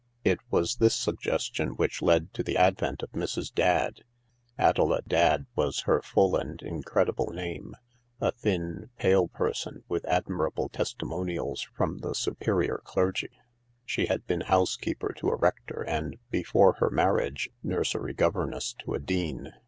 It was this suggestion which led to the advent of Mrs. Dadd — Adela Dadd was her full and incredible name — a thin, pale person with admirable testimonials from the superior clergy. She had been housekeeper to a rector and, before her marriage, nursery governess to a dean.